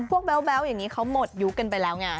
แบ๊วอย่างนี้เขาหมดยุคกันไปแล้วไง